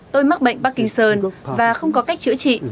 tôi mắc bệnh parkinson và không có cách chữa trị